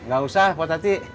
gak usah buat hati